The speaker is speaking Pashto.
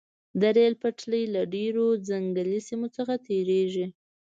د ریل پټلۍ له ډیرو ځنګلي سیمو څخه تیریږي